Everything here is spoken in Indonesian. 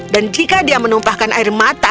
dan jika dia menumpahkan air mata